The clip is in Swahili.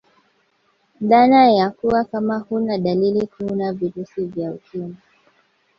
Dhana ya kuwa Kama huna dalili huna virusi vya ukimwi